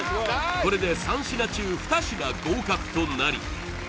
これで３品中２品合格となり